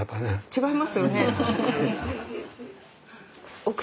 違いますよね。